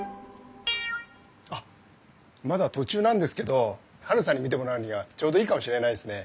あまだ途中なんですけどハルさんに見てもらうにはちょうどいいかもしれないですね。